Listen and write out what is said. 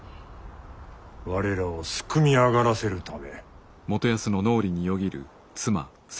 我らをすくみ上がらせるため。